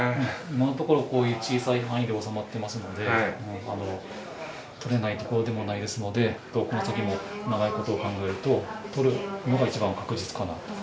今のところこういう小さい範囲で収まってますので取れないところでもないですのでこの先も長いことを考えると取るのが一番確実かなと。